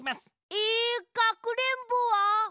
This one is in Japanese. えっかくれんぼは？